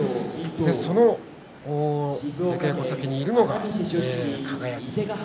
その出稽古先にいるのが輝。